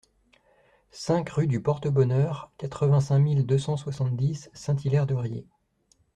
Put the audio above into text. cinq rue du Porte-Bonheur, quatre-vingt-cinq mille deux cent soixante-dix Saint-Hilaire-de-Riez